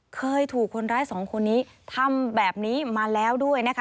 เคยถูกคนร้ายสองคนนี้ทำแบบนี้มาแล้วด้วยนะคะ